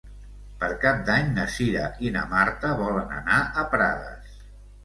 Per Cap d'Any na Cira i na Marta volen anar a Prades.